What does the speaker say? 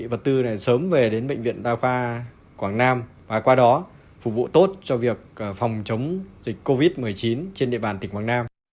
vật tư này sớm về đến bệnh viện đa khoa quảng nam và qua đó phục vụ tốt cho việc phòng chống dịch covid một mươi chín trên địa bàn tỉnh quảng nam